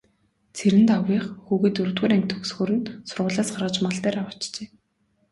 Цэрэндагвынх хүүгээ дөрөвдүгээр анги төгсөхөөр нь сургуулиас гаргаж мал дээр авчээ.